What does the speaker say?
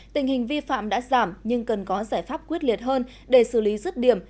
tình hình vi phạm đã giảm nhưng cần có giải pháp quyết liệt hơn để xử lý rứt điểm